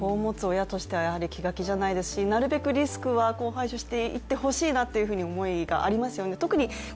本当に子を持つ親としては気が気じゃないですし、なるべくリスクは排除していってほしいなという思いがありますよね。